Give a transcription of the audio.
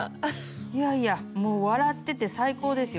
いやいやもう笑ってて最高ですよ。